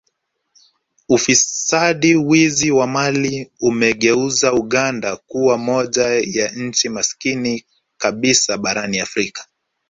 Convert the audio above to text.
Ufisadi wizi wa mali umegeuza Uganda kuwa moja ya nchi masikini kabisa barani Afrika